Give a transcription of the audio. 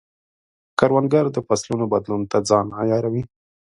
کروندګر د فصلونو بدلون ته ځان عیاروي